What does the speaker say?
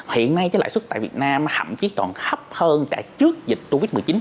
hiện nay cái lãi suất tại việt nam thậm chí còn thấp hơn cả trước dịch covid một mươi chín